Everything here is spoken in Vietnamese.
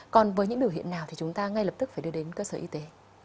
còn với những biểu hiện nào thì chúng ta ngay lập tức phải đưa đến cơ sở y tế